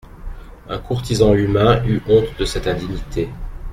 Un courtisan humain eut honte de cette indignité.